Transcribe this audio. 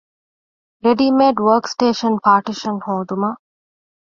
ރެޑީމޭޑް ވާރކް ސްޓޭޝަން ޕާޓިޝަން ހޯދުމަށް